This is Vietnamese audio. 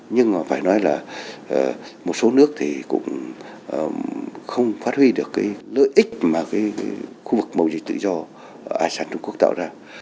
nhưng mà phải nói là một số nước thì cũng không phát huy được cái lợi ích mà cái khu vực mầu dịch tự do asean trung quốc tạo ra